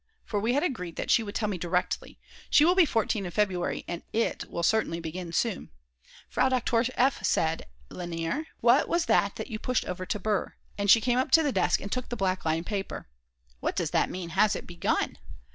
for we had agreed that she would tell me directly, she will be 14 in February and it will certainly begin soon. Frau Doktor F. said: Lainer, what was that you pushed over to Br.? and she came up to the desk and took the black line paper. "What does that mean: Has it begun???"